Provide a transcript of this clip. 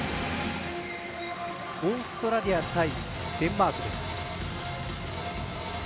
オーストラリア対デンマークです。